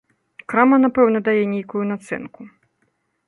Крама, напэўна, дае нейкую нацэнку.